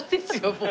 もう。